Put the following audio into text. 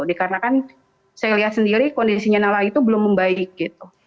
dikarenakan saya lihat sendiri kondisinya nala itu belum membaik gitu